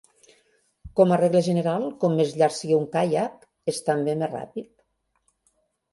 Com a regla general, com més llarg sigui un caiac, és també més ràpid.